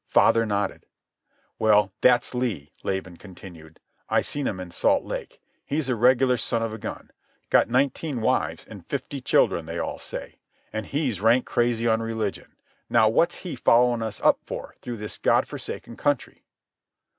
Father nodded. "Well, that's Lee," Laban continued. "I seen'm in Salt Lake. He's a regular son of a gun. Got nineteen wives and fifty children, they all say. An' he's rank crazy on religion. Now, what's he followin' us up for through this God forsaken country?"